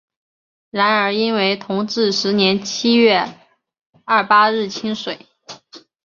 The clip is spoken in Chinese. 然而因为同治十年七月廿八日请水。